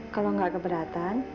kalau nggak keberatan